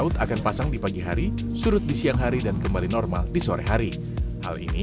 laut akan pasang di pagi hari surut di siang hari dan kembali normal di sore hari hal ini